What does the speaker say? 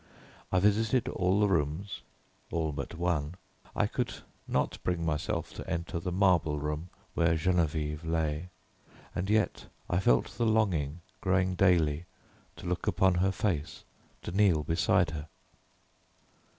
I visited all the rooms all but one. I could not bring myself to enter the marble room where Geneviève lay, and yet I felt the longing growing daily to look upon her face, to kneel beside her.